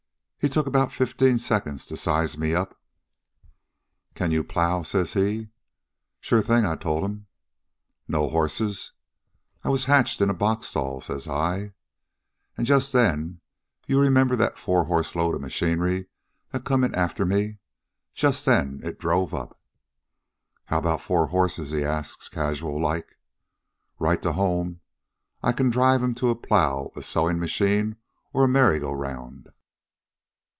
He took about fifteen seconds to size me up. "'Can you plow?' says he. "'Sure thing,' I told 'm. "'Know horses?' "'I was hatched in a box stall,' says I. "An' just then you remember that four horse load of machinery that come in after me? just then it drove up. "'How about four horses?' he asks, casual like. "'Right to home. I can drive 'm to a plow, a sewin' machine, or a merry go round.'